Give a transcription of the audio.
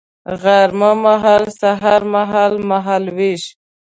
غرمه مهال سهار مهال ، مهال ویش